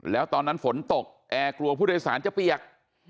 แล้วตอนนั้นฝนตกแอร์กลัวผู้โดยสารจะเปียก